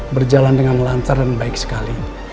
berjalan dengan lancar dan baik sekali